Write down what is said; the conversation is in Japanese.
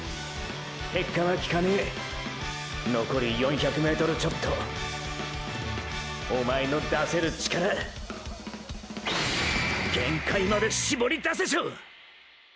結果は聞かねェのこり４００ｍちょっとおまえの出せる力――限界まで絞り出せショ！！